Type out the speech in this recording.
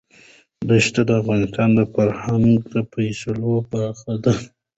دښتې د افغانستان د فرهنګي فستیوالونو برخه ده.